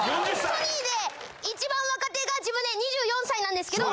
ソニーで一番若手が自分で２４歳なんですけど。